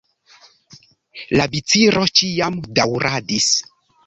La viciro ĉiam daŭradis.